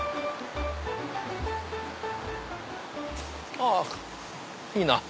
あっいいな！